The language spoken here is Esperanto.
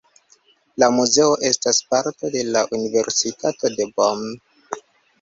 La muzeo estas parto de la Universitato de Bonn.